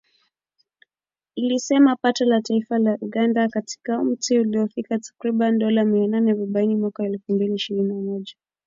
ilisema pato la taifa la Uganda kwa kila mtu lilifikia takriban dola mia nane arobaini mwaka wa elfu mbili ishirini na moja.